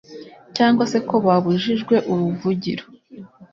cyangwa se ko babujijwe uruvugiro